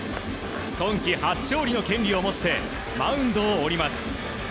今季初勝利の権利を持ってマウンドを降ります。